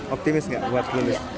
optimis nggak buat lulus